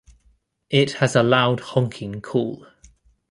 It has a loud honking call.